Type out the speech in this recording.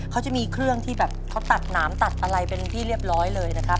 เขาจะมีเครื่องที่แบบเขาตัดหนามตัดอะไรเป็นที่เรียบร้อยเลยนะครับ